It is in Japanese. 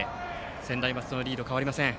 専大松戸のリードは変わりません。